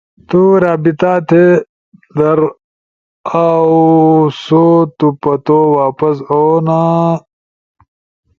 تو رابطہ تھی در اؤ سو تو پتو واپس اونا!